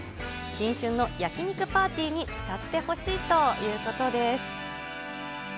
新春の焼き肉パーティーに使ってほしいということです。